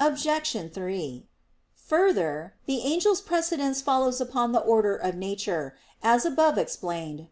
Obj. 3: Further, the angels' precedence follows upon the order of nature, as above explained (A.